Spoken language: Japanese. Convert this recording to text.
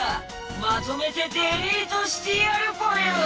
まとめてデリートしてやるぽよ！